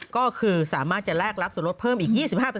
ก็คือสามารถจะแลกรับส่วนลดเพิ่มอีก๒๕